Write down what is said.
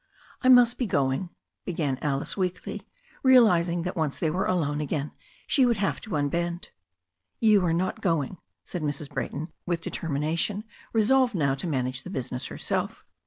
"I must be going," began Alice weakly, realizing that once they were alone again she would have to unbend. "You are not going," said Mrs. Brayton with determina* tion, resolved now to manage the business herself.